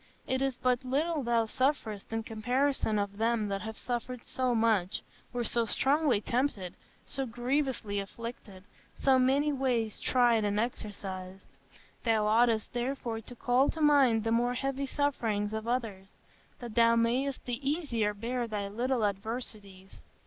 It is but little thou sufferest in comparison of them that have suffered so much, were so strongly tempted, so grievously afflicted, so many ways tried and exercised. Thou oughtest therefore to call to mind the more heavy sufferings of others, that thou mayest the easier bear thy little adversities.